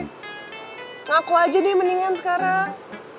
ngaku aja nih mendingan sekarang